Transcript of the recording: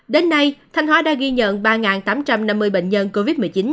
đến nay thanh hóa đã ghi nhận ba tám trăm năm mươi bệnh nhân covid một mươi chín